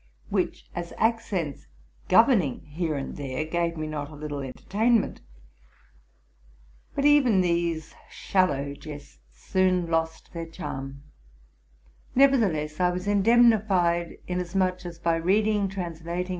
which, as accents governing here and there, gave me not a little entertainment. But even these shallow jests soon lost their charm. Nevertheless I was indemnified, inasmuch as by reading, translating.